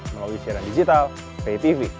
melalui siaran digital pay tv